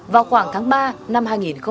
vào khoảng tháng ba năm hai nghìn hai mươi